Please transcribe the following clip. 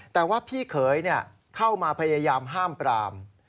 แต่ว่าพี่เขยเข้ามาพยายามห้ามปราม